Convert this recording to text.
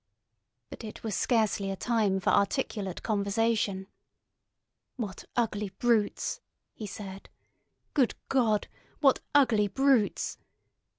But it was scarcely a time for articulate conversation. "What ugly brutes!" he said. "Good God! What ugly brutes!"